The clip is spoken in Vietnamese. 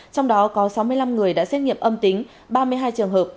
trong đó có sáu mươi năm người đã xét nghiệm âm tính